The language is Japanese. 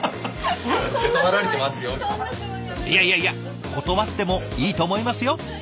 いやいやいや断ってもいいと思いますよ！